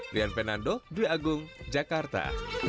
rian fernando dwi agung jakarta